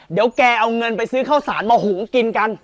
เดี๋ยวแกเอาเงินไปซื้อข้าวสารมาหุงกินกัน